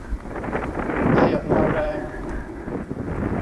ไอออกมาแรง